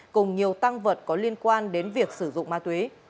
cùng nhiều tăng vật có liên quan đến việc sử dụng ma túy